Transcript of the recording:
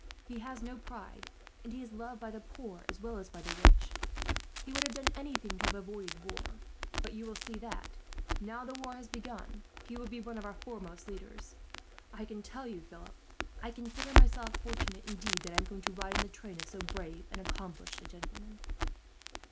He has no pride, and he is loved by the poor as well as by the rich. He would have done anything to have avoided war; but you will see that, now the war has begun, he will be one of our foremost leaders. I can tell you, Philip, I consider myself fortunate indeed that I am going to ride in the train of so brave and accomplished a gentleman."